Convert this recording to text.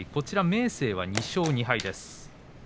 明生は２勝２敗です。